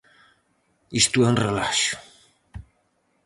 Isto é un relaxo!